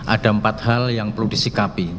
ada empat hal yang perlu disikapi